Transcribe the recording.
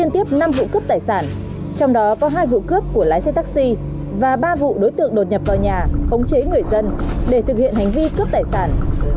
trong đó có hai vụ cướp của lái xe taxi và ba vụ đối tượng đột nhập vào nhà khống chế người dân để thực hiện hành vi cướp tài sản